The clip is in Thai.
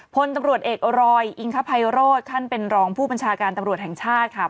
พลตำรวจเอกรอยอิงคภัยโรธท่านเป็นรองผู้บัญชาการตำรวจแห่งชาติค่ะ